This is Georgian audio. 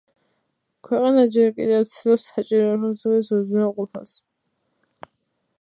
ქვეყანა ჯერ კიდევ ცდილობს საჭირო ინფრასტრუქტურის უზრუნველყოფას.